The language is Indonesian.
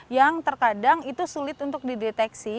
yang terkadang itu sulit untuk dideteksi